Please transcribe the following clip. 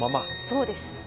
そうです。